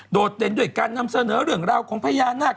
เด่นด้วยการนำเสนอเรื่องราวของพญานาค